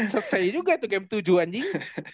sesei juga tuh game tujuh anjing